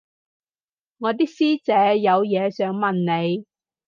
我啲師姐有嘢想問你